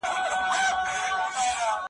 ورپسې مي اورېدلې له پوهانو `